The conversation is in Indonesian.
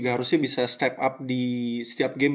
harusnya bisa step up di setiap game